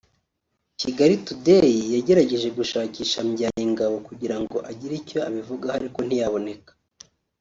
Kigali Today yagerageje gushakisha Mbyayingabo kugira ngo agire icyo abivugaho ariko ntiyaboneka